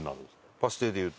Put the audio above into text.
バス停でいうと。